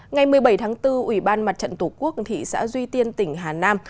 ngày một mươi bảy tháng bốn ủy ban mặt trận tổ quốc thị xã duy tiên tỉnh hà nam